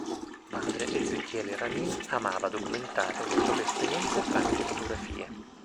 Padre Ezechiele Ramin amava documentare le proprie esperienze tramite fotografie.